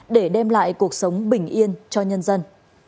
để đem lại cuộc sống bình yên cho nhân dân